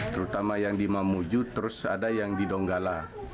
terutama yang di mamuju terus ada yang di donggala